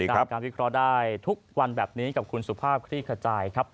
ตามการวิเคราะห์ได้ทุกวันแบบนี้กับคุณสุภาพคลี่ขจายครับ